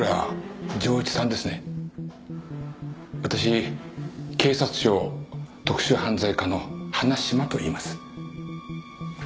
私警察庁特殊犯罪課の花島といいます。